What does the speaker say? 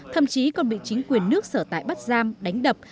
thậm chí còn bị chính quyền nước sở tại bắt giam đánh đập